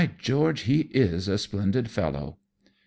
67 George, he is a splendid fellow."